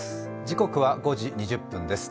時刻は５時２０分です。